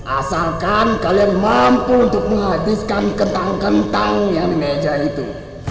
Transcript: asalkan kalian mampu untuk menghabiskan kentang kentang yang di meja itu